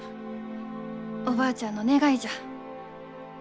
おばあちゃんの願いじゃ。